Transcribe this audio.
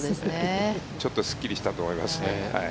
ちょっとすっきりしたと思います。